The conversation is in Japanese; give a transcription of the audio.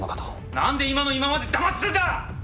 なんで今の今まで黙ってたんだ！